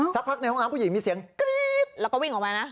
สักพักในห้องน้ำผู้หญิงมีเสียงกรี๊ดแล้วก็วิ่งออกมานะ